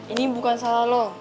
ini bukan salah lo